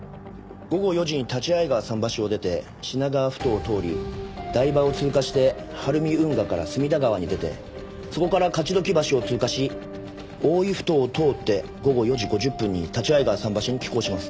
午後４時に立会川桟橋を出て品川埠頭を通り台場を通過して晴海運河から隅田川に出てそこから勝鬨橋を通過し大井埠頭を通って午後４時５０分に立会川桟橋に帰港します。